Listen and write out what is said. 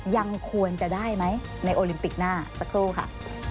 ยังควรจะได้ไหมในโอลิมปิกหน้าสักครู่ค่ะ